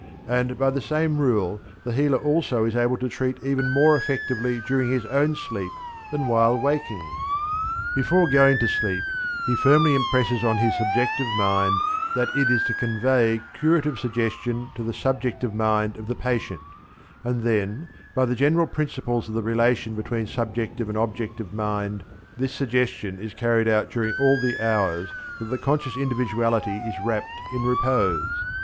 And by the same rule the healer also is able to treat even more effectively during his own sleep than while waking. Before going to sleep he firmly impresses on his subjective mind that it is to convey curative suggestion to the subjective mind of the patient, and then, by the general principles of the relation between subjective and objective mind this suggestion is carried out during all the hours that the conscious individuality is wrapped in repose.